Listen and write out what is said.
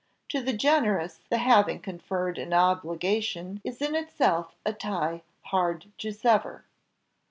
To the generous the having conferred an obligation is in itself a tie hard to sever.